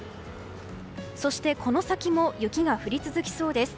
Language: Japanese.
そして、この先も雪が降り続きそうです。